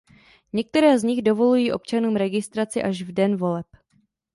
Některé z nich dovolují občanům registraci až v den voleb.